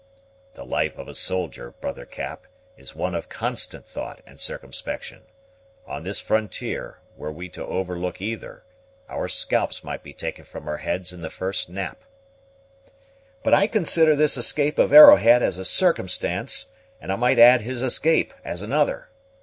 "The life of a soldier, brother Cap, is one of constant thought and circumspection. On this frontier, were we to overlook either, our scalps might be taken from our heads in the first nap." "But I consider this capture of Arrowhead as a circumstance; and I might add his escape as another.